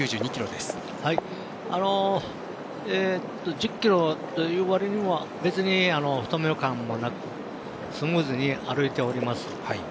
１０ｋｇというわりには別に太め感もなくスムーズに歩いております。